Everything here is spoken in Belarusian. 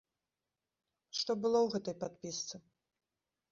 Што было ў гэтай падпісцы?